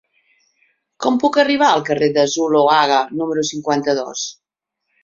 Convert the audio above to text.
Com puc arribar al carrer de Zuloaga número cinquanta-dos?